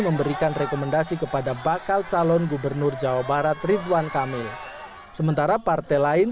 memberikan rekomendasi kepada bakal calon gubernur jawa barat ridwan kamil sementara partai lain